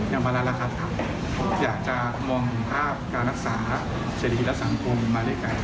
มาแล้วล่ะครับอยากจะมองภาพการรักษาเสรีและสังคมมาด้วยกัน